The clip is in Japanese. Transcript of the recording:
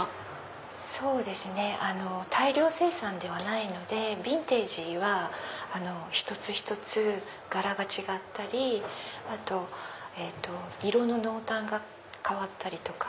そうですね大量生産ではないのでヴィンテージは一つ一つ柄が違ったりあと色の濃淡が変わったりとか。